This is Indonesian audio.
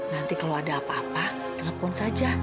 nanti kalau ada apa apa telepon saja